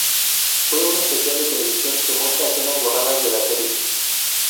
Fue un especial de televisión, que muestra escenas borradas de la serie.